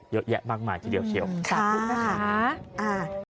เยอะแยะมากมายทีเดียวเชียวขอบคุณนะคะ